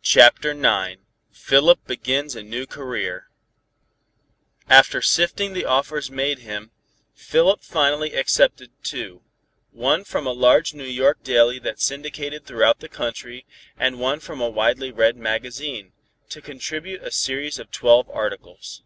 CHAPTER IX PHILIP BEGINS A NEW CAREER After sifting the offers made him, Philip finally accepted two, one from a large New York daily that syndicated throughout the country, and one from a widely read magazine, to contribute a series of twelve articles.